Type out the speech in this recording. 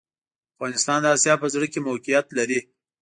افغانستان د اسیا په زړه کي موقیعت لري